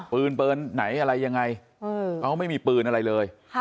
ปืนปืนไหนอะไรยังไงเขาไม่มีปืนอะไรเลย